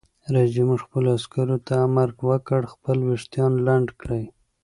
رئیس جمهور خپلو عسکرو ته امر وکړ؛ خپل ویښتان لنډ کړئ!